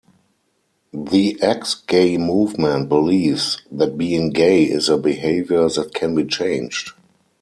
The Ex-Gay Movement believes that being gay is a behavior that can be changed.